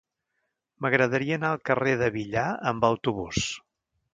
M'agradaria anar al carrer de Villar amb autobús.